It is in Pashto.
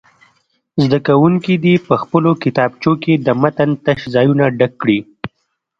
زده کوونکي دې په خپلو کتابچو کې د متن تش ځایونه ډک کړي.